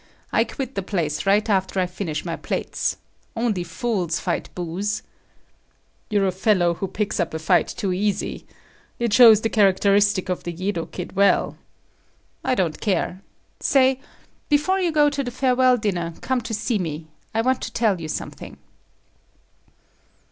I quit the place right after I finish my plates. Only fools fight booze." "You're a fellow who picks up a fight too easy. It shows up the characteristic of the Yedo kid well." "I don't care. Say, before you go to the farewell dinner, come to see me. I want to tell you something."